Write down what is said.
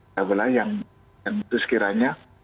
sebelah yang itu sekiranya